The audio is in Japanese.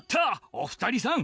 お二人さん